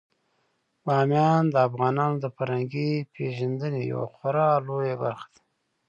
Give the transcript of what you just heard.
بامیان د افغانانو د فرهنګي پیژندنې یوه خورا لویه برخه ده.